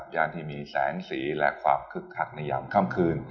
ยานที่มีแสงสีและความคึกคักในยามค่ำคืน